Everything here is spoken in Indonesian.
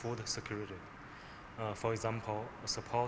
untuk memberikan keamanan keamanan